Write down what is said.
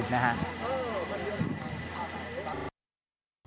โอ้มันเยี่ยม